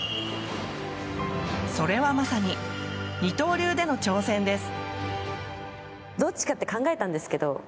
それはまさに二刀流での挑戦です。